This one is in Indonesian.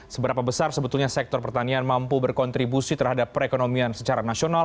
seberapa besar sebetulnya sektor pertanian mampu berkontribusi terhadap perekonomian secara nasional